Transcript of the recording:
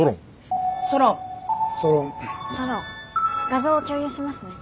画像を共有しますね。